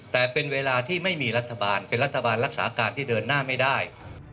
แต่เป็นเวลาที่ไม่มีรัฐบาลเป็นรัฐบาลรักษาการที่เดินหน้าไม่ได้